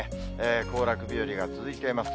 行楽日和が続いています。